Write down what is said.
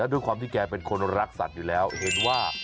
อ่าวชื่ออะไรรู้ป่ะ